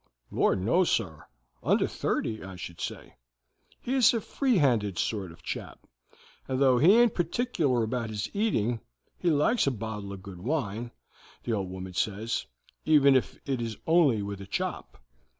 "Lor', no, sir; under thirty, I should say. He is a free handed sort of chap, and though he aint particular about his eating, he likes a bottle of good wine, the old woman says, even if it is only with a chop.